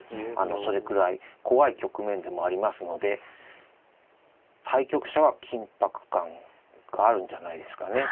それくらい怖い局面でもありますので対局者は緊迫感があるんじゃないですかね。